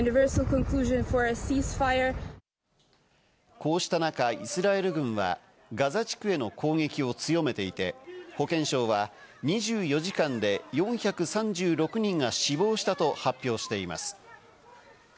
こうした中、イスラエル軍はガザ地区への攻撃を強めていて、保健省は２４時間で４３６人が死亡したと発表しています。